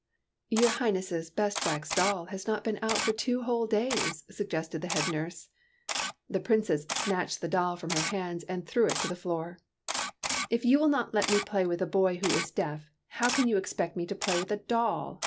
''Your Highness's best wax doll has not been out for two whole days," suggested the head nurse. The Princess snatched the doll from her hands and threw it on the floor. '* If you will not let me play with a boy v/ho is deaf, how can you expect me to play with a doll?''